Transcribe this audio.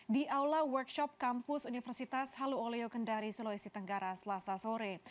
di aula workshop kampus universitas halu oleo kendari sulawesi tenggara selasa sore